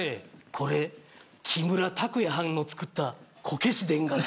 これ木村拓哉はんの作ったこけしでんがな。